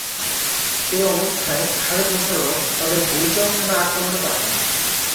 এ অবস্থায় খালেদ মোশাররফ তাঁদের বুড়িচং থানা আক্রমণে পাঠান।